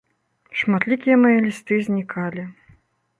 Шматлікія мае лісты знікалі.